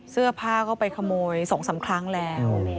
เสื้อผ้าก็ไปขโมย๒๓ครั้งแล้ว